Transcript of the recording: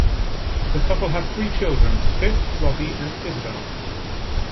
The couple have three children, Pip, Robbie and Isobel.